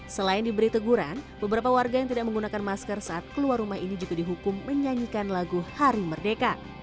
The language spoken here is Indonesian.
selain diberi teguran beberapa warga yang tidak menggunakan masker saat keluar rumah ini juga dihukum menyanyikan lagu hari merdeka